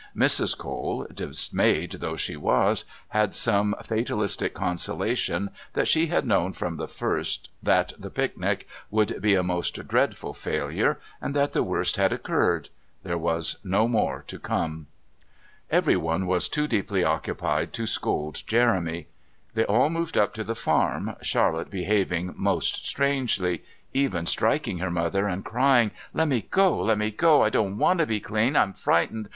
Mrs. Cole, dismayed though she was, had some fatalistic consolation that she had known from the first that the picnic would be a most dreadful failure and that the worst had occurred; there was no more to come. Everyone was too deeply occupied to scold Jeremy. They all moved up to the farm, Charlotte behaving most strangely, even striking her mother and crying: "Let me go! Let me go! I don't want to be clean! I'm frightened!